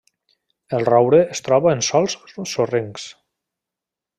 El roure es troba en sòls sorrencs.